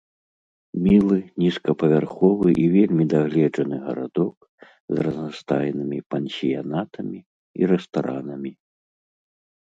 Мілы, нізкапавярховы і вельмі дагледжаны гарадок з разнастайнымі пансіянатамі і рэстаранамі.